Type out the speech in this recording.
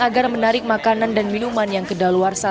agar menarik makanan dan minuman yang ke dalwarsa